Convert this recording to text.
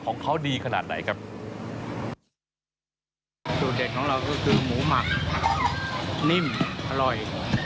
ของเขาดีขนาดไหนครับสูตรเด็ดของเราก็คือหมูหมักนิ่มอร่อย